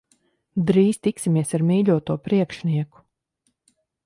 Drīz tiksimies ar mīļoto priekšnieku.